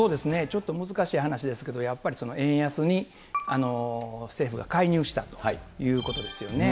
ちょっと難しい話ですけど、やっぱり円安に政府が介入したということですよね。